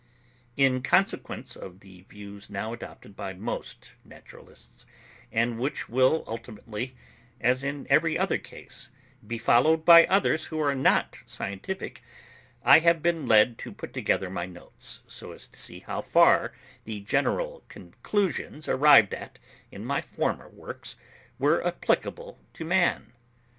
In consequence of the views now adopted by most naturalists, and which will ultimately, as in every other case, be followed by others who are not scientific, I have been led to put together my notes, so as to see how far the general conclusions arrived at in my former works were applicable to man.